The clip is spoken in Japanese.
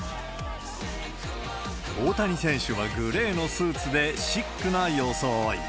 大谷選手はグレーのスーツでシックな装い。